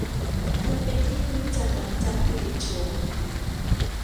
เธอเป็นที่รู้จักหลังจากเปลี่ยนโฉม